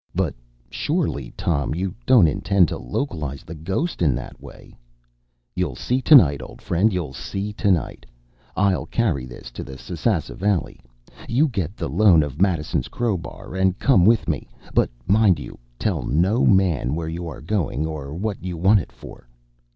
But surely, Tom, you don’t intend to localise the ghost in that way?” “You’ll see to night, old friend you’ll see to night. I’ll carry this to the Sasassa Valley. You get the loan of Madison’s crowbar, and come with me; but mind you tell no man where you are going, or what you want it for.